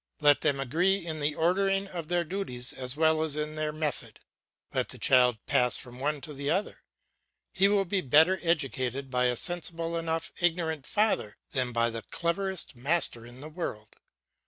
Let them agree in the ordering of their duties as well as in their method, let the child pass from one to the other. He will be better educated by a sensible though ignorant father than by the cleverest master in the world.